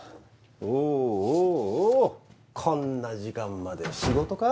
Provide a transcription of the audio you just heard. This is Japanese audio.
おぉおぉおぉこんな時間まで仕事か？